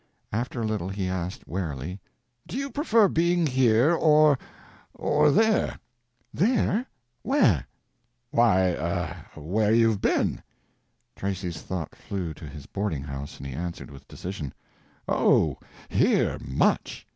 After a little he asked, warily "Do you prefer being here, or—or there?" "There? Where?" "Why—er—where you've been?" Tracy's thought flew to his boarding house, and he answered with decision. "Oh, here, much!"